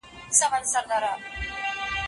ما تاسي ته د یووالي او ورورګلوۍ پېغام ولیکی.